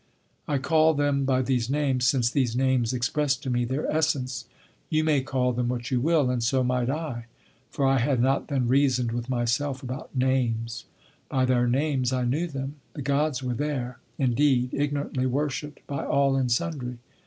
I called them by these names, since these names expressed to me their essence: you may call them what you will, and so might I, for I had not then reasoned with myself about names. By their names I knew them. The Gods were there, indeed, ignorantly worshipped by all and sundry.